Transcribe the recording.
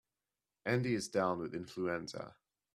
Andy is down with influenza.